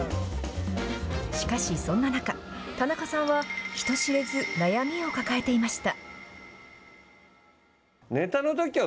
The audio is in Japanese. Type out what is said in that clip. しかしそんな中、田中さんは人知れず悩みを抱えていました。